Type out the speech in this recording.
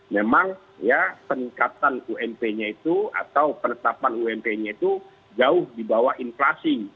memang ya peningkatan ump nya itu atau penetapan ump nya itu jauh di bawah inflasi